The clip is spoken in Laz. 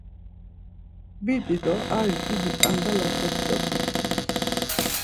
Bidi do arti didi t̆angala kep̌ç̌opi.